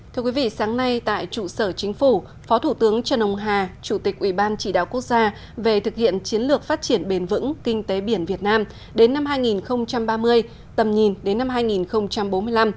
thưa quý vị sáng nay tại trụ sở chính phủ phó thủ tướng trần ông hà chủ tịch ủy ban chỉ đạo quốc gia về thực hiện chiến lược phát triển bền vững kinh tế biển việt nam đến năm hai nghìn ba mươi tầm nhìn đến năm hai nghìn bốn mươi năm